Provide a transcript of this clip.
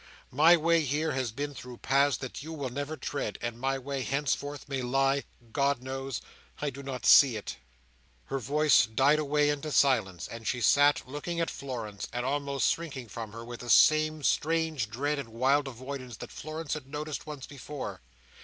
My way here has been through paths that you will never tread, and my way henceforth may lie—God knows—I do not see it—" Her voice died away into silence; and she sat, looking at Florence, and almost shrinking from her, with the same strange dread and wild avoidance that Florence had noticed once before.